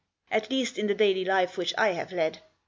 At least, in the daily life which I have led.